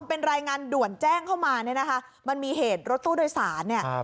เป็นรายงานด่วนแจ้งเข้ามาเนี่ยนะคะมันมีเหตุรถตู้โดยสารเนี่ย